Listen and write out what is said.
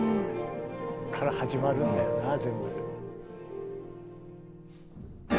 こっから始まるんだよな全部。